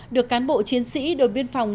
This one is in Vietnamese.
được cán bộ chiến sĩ đội biên phòng